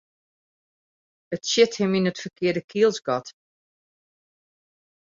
It sjit him yn it ferkearde kielsgat.